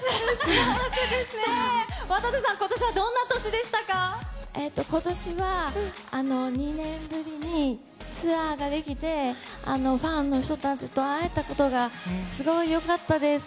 渡瀬さん、ことしはどんな年ことしは２年ぶりにツアーができて、ファンの人たちと会えたことがすごいよかったです。